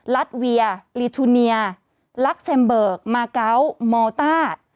รัฐเวียลิทูเนียลักเซมเบิกมาเกาะมอลต้า